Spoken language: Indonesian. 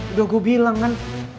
udah gue bilang kan